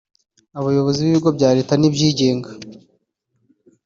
abayobozi b’ibigo bya Leta n’ibyigenga